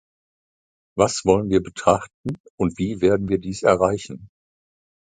Was wollen wir betrachten, und wie werden wir dies erreichen?